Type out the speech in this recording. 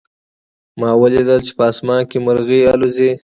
ما ولیدل چې په آسمان کې مرغۍ الوزي